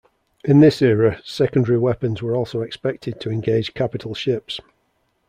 In this era, secondary weapons were also expected to engage capital ships.